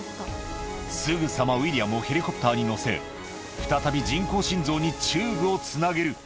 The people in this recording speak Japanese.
すぐさまウィリアムをヘリコプターに乗せ、再び人工心臓にチューブをつなげる。